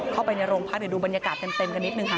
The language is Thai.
เข้าไปในโรงพักเดี๋ยวดูบรรยากาศเต็มกันนิดนึงค่ะ